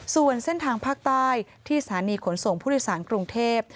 ส่วนเส้นทางภาคใต้ที่สถานีขนส่งผู้โดยสารกรุงเทพ